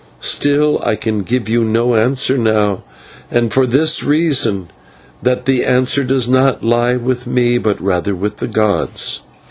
Still, I can give you no answer now, and for this reason, that the answer does not lie with me, but rather with the gods.